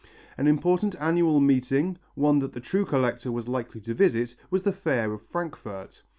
An important annual meeting, one that the true collector was likely to visit, was the fair of Frankfurt.